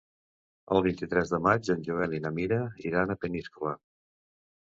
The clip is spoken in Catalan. El vint-i-tres de maig en Joel i na Mira iran a Peníscola.